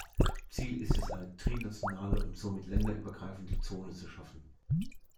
Ziel ist es eine trinationale und somit länderübergreifende Zone zu schaffen.